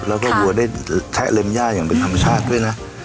แล้วก็วัวได้ใช้เล็มย่าอย่างเป็นธรรมชาติด้วยนะ